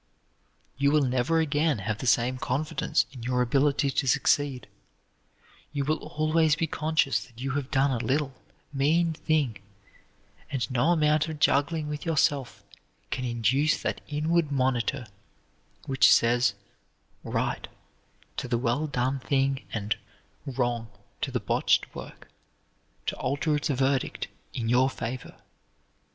You will never again have the same confidence in your ability to succeed; you will always be conscious that you have done a little, mean thing, and no amount of juggling with yourself can induce that inward monitor which says "right" to the well done thing and "wrong" to the botched work, to alter its verdict in your favor.